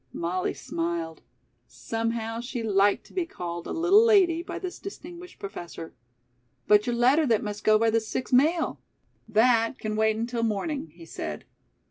Molly smiled. Somehow, she liked to be called a "little lady" by this distinguished professor. "But your letter that must go by the six mail?" "That can wait until morning," he said.